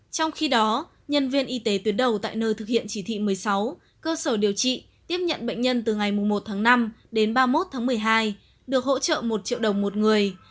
trong khi đó nhân viên y tế tuyến đầu tại nơi thực hiện chỉ thị một mươi sáu cơ sở điều trị tiếp nhận bệnh nhân từ ngày một tháng năm đến ba mươi một tháng một mươi hai được hỗ trợ một triệu đồng một người